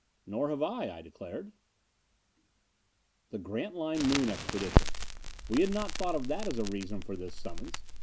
"Nor have I," I declared. The Grantline Moon Expedition! We had not thought of that as a reason for this summons.